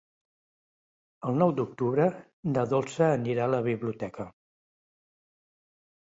El nou d'octubre na Dolça anirà a la biblioteca.